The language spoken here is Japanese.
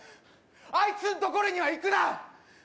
あいつんところには行くな！